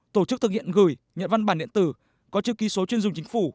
tổ chức thực hiện gửi nhận văn bản điện tử có chữ ký số chuyên dùng chính phủ